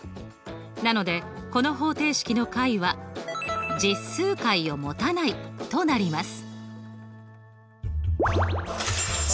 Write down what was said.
なのでこの方程式の解は実数解をもたないとなります。